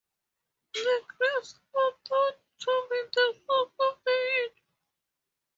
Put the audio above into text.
The graves are thought to be the source of the heat.